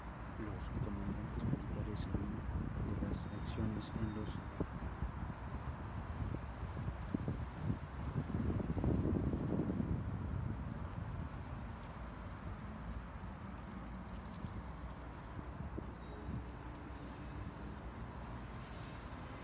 La funcionalidad se describiría de la siguiente manera.